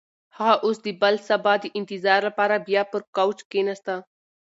هغه اوس د بل سبا د انتظار لپاره بیا پر کوچ کښېناسته.